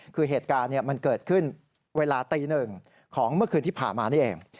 คือเหตุการณ์มันเกิดขึ้นเวลาตีหนึ่งของเมื่อคืนที่ผ่านมานี่เอง